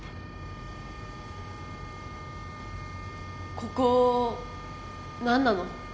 ここ何なの？